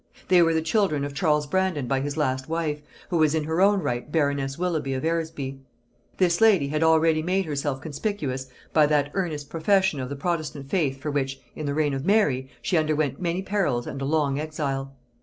They were the children of Charles Brandon by his last wife, who was in her own right baroness Willoughby of Eresby. This lady had already made herself conspicuous by that earnest profession of the protestant faith for which, in the reign of Mary, she underwent many perils and a long exile.